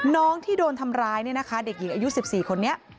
น้องที่โดนทำร้ายเนี่ยนะคะเด็กหญิงอายุ๑๔คนนี้